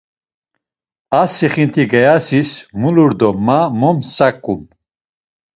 A sixinti gayasis mulur do ma mo msakum.